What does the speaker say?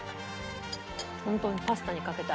本当にパスタにかけたい。